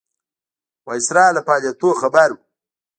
ویسرا له فعالیتونو خبر وو.